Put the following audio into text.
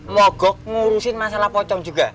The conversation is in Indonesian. mogok ngurusin masalah pocong juga